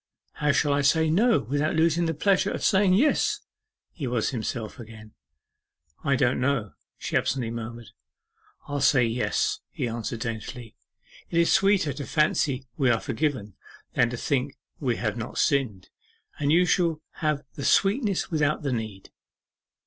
How shall I say "No" without losing the pleasure of saying "Yes?"' He was himself again. 'I don't know,' she absently murmured. 'I'll say "Yes,"' he answered daintily. 'It is sweeter to fancy we are forgiven, than to think we have not sinned; and you shall have the sweetness without the need.